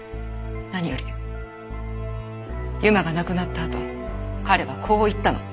何よりＵＭＡが亡くなったあと彼はこう言ったの。